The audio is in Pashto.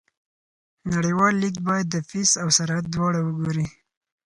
نړیوال لیږد باید د فیس او سرعت دواړه وګوري.